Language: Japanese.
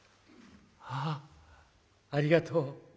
「ああありがとう。